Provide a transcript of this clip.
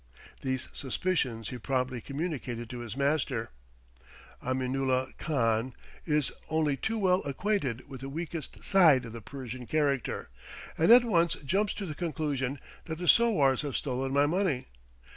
These suspicions he promptly communicated to his master. Aminulah Khan is only too well acquainted with the weakest side of the Persian character, and at once jumps to the conclusion that the sowars have stolen my money.